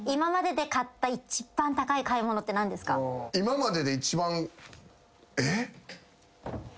今までで一番えっ？